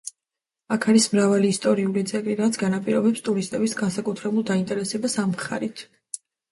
აქ არის მრავალი ისტორიული ძეგლი, რაც განაპირობებს ტურისტების განსაკუთრებულ დაინტერესებას ამ მხარით.